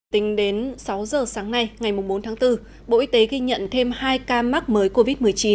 tính đến sáu giờ sáng nay ngày bốn tháng bốn bộ y tế ghi nhận thêm hai ca mắc mới covid một mươi chín